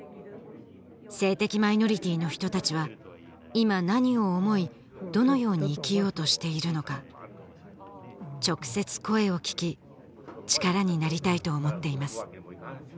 性的マイノリティーの人たちは今何を思いどのように生きようとしているのか直接声を聞き力になりたいと思っています